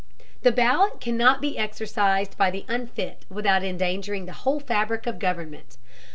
The ballot cannot be exercised by the unfit without endangering the whole fabric of government.